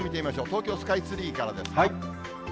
東京スカイツリーからですが。